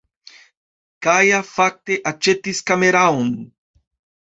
Kaja fakte aĉetis kameraon